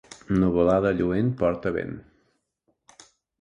Nuvolada lluent porta vent.